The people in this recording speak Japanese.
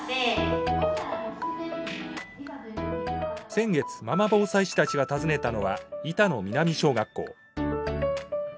先月ママ防災士たちが訪ねたのは板野南小学校。